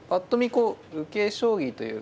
こう受け将棋というか。